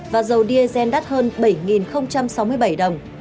và dầu diesel đắt hơn bảy sáu mươi bảy đồng